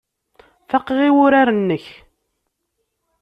Faqeɣ i wurar-nnek.